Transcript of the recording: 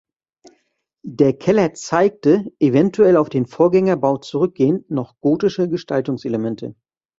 Der Keller zeigte, eventuell auf den Vorgängerbau zurückgehend, noch gotische Gestaltungselemente.